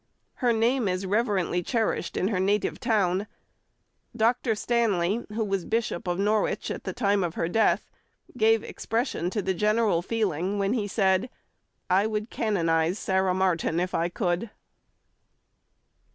Her name is reverently cherished in her native town. Dr. Stanley, who was Bishop of Norwich at the time of her death, gave expression to the general feeling when he said, "I would canonise Sarah Martin if I could!"